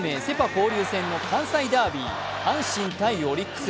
交流戦の関西ダービー、阪神×オリックス。